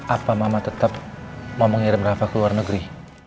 apa mama tetap mau mengirim rafa ke luar negeri